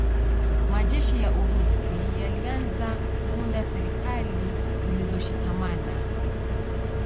Majeshi ya Urusi yalianza kuunda serikali zilizoshikamana